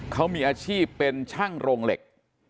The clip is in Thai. เขามีอาชีพเป็นช่างโรงเหล็ก